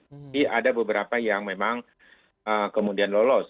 jadi ada beberapa yang memang kemudian lolos